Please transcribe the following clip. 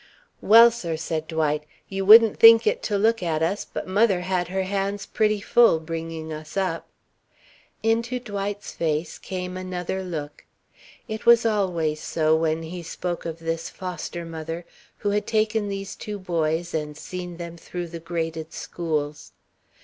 "Well, sir," said Dwight, "you wouldn't think it to look at us, but mother had her hands pretty full, bringing us up." Into Dwight's face came another look. It was always so, when he spoke of this foster mother who had taken these two boys and seen them through the graded schools.